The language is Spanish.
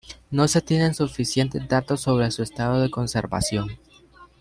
No se tienen suficientes datos sobre su estado de conservación.